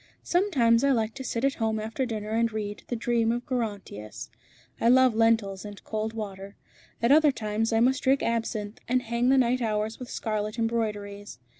Sometimes I like to sit at home after dinner and read 'The dream of Gerontius.' I love lentils and cold water. At other times I must drink absinthe, and hang the night hours with scarlet embroideries.